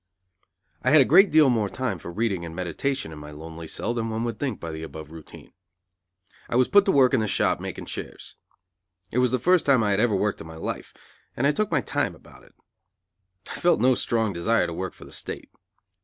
I had a great deal more time for reading and meditation in my lonely cell than one would think by the above routine. I was put to work in the shop making chairs. It was the first time I had ever worked in my life, and I took my time about it. I felt no strong desire to work for the State.